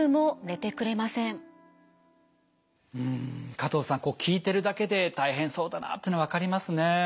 加藤さん聞いてるだけで大変そうだなっての分かりますね。